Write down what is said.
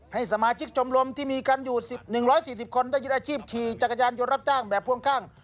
ให้สมาชิกชมรมที่มีกันอยู่๑๔๐คนได้ยึดอาชีพขี่จักรยานยนต์รับจ้างแบบพ่วงข้าง